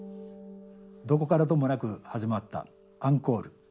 どこからともなく始まったアンコール。